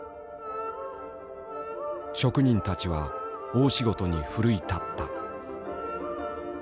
職人たちは大仕事に奮い立った。